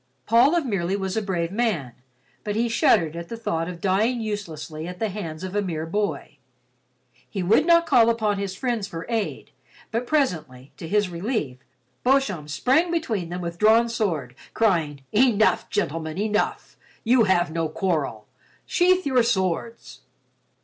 Paul of Merely was a brave man, but he shuddered at the thought of dying uselessly at the hands of a mere boy. He would not call upon his friends for aid, but presently, to his relief, Beauchamp sprang between them with drawn sword, crying "Enough, gentlemen, enough! You have no quarrel. Sheathe your swords."